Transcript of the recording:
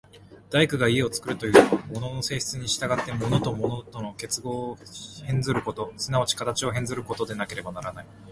大工が家を造るというのは、物の性質に従って物と物との結合を変ずること、即ち形を変ずることでなければならない。